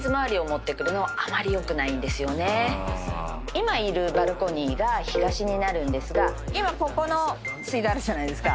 今いるバルコニーが東になるんですがここの水道あるじゃないですか。